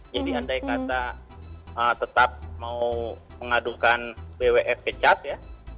jadi andai kata tetap mau mengadukan bwf ke cat ya